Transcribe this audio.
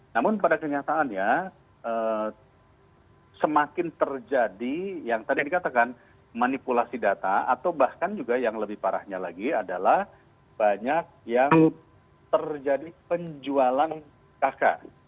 namun pada kenyataannya semakin terjadi yang tadi dikatakan manipulasi data atau bahkan juga yang lebih parahnya lagi adalah banyak yang terjadi penjualan kk